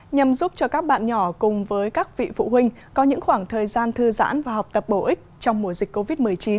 nhằm giúp cho các bạn nhỏ cùng với các vị phụ huynh có những khoảng thời gian thư giãn và học tập bổ ích trong mùa dịch covid một mươi chín